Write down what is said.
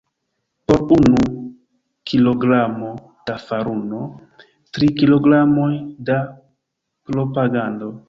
Por unu kilogramo da faruno, tri kilogramoj da propagando.